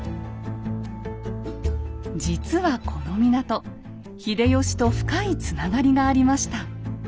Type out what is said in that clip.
実はこの港秀吉と深いつながりがありました。